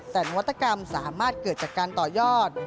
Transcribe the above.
แต่นวัตกรรมสามารถเกิดจากการต่อยอด